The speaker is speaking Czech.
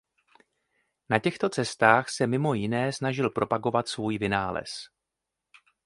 Na těchto cestách se mimo jiné snažil propagovat svůj vynález.